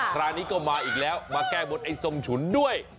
คราวนี้ก็มาอีกแล้วมาแก้บนไอ้ส้มฉุนด้วย